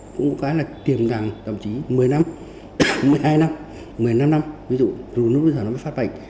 cũng có cái là tiềm đàng đồng chí một mươi năm một mươi hai năm một mươi năm năm ví dụ rùi lúc bây giờ nó mới phát bệnh